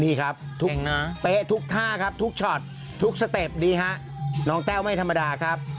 นี่ครับเป๊ะทุกท่าครับทุกช็อตทุกสเต็ปดีฮะน้องแต้วไม่ธรรมดาครับ